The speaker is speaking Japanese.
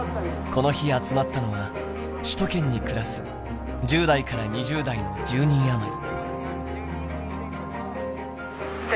この日集まったのは首都圏に暮らす１０代から２０代の１０人余り。